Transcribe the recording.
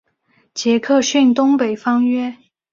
杰克逊东北方约。